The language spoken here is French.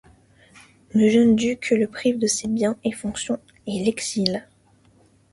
Le jeune duc le prive de ses biens et fonction et l'exile.